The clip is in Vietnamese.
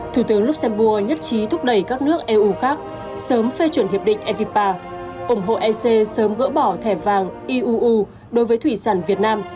thủ tướng luxembourg nhất trí thúc đẩy các nước eu khác sớm phê chuẩn hiệp định evipa ủng hộ ec sớm gỡ bỏ thẻ vàng iuu đối với thủy sản việt nam